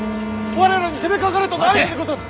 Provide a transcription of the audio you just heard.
我らに攻めかかれとの合図でござる。